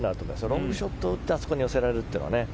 ロングショット打ってあそこに寄せられるのは。